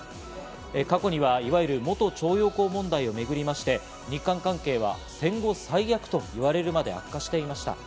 過去にはいわゆる元徴用工問題をめぐりまして、日韓関係は戦後最悪と言われるまで悪化していました。